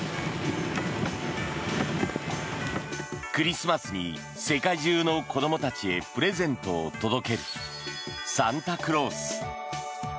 クリスマスに世界中の子どもたちへプレゼントを届けるサンタクロース。